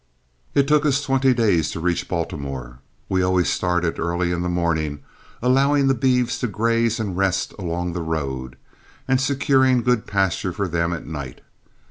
It took us twenty days to reach Baltimore. We always started early in the morning, allowing the beeves to graze and rest along the road, and securing good pastures for them at night.